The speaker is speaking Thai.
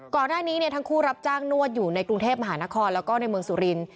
ก่อนหน้านี้ทั้งคู่รับจ้างนวดอยู่ในกรุงเทพมหานครแล้วก็ในเมืองสุรินทร์